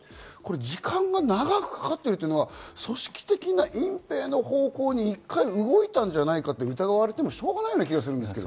時間が長くかかっているのは組織的な隠ぺいの方向に１回動いたんじゃないかって疑われてもしょうがない気がするんですけど。